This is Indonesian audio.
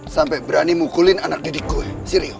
sampai berani mukulin anak didik gue si rio